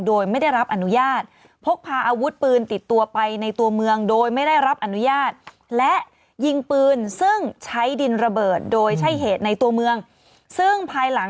ทำงานเป็นระบบแล้วก็มีการส่งต่อแบ่งงานกับชัดเอง